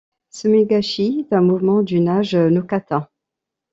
Sumi-Gaeshi est un mouvement du Nage-no-kata.